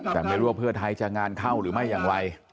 แต่ไม่รู้ว่าเพื่อไทยจะงานเข้าหรือไม่อย่างไร